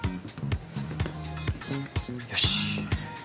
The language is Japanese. よし。